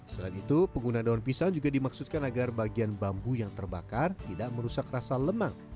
selain itu pengguna daun pisang juga dimaksudkan agar bagian bambu yang terbakar tidak merusak rasa lemang